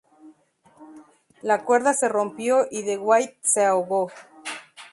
La cuerda se rompió y De Witte se ahogó.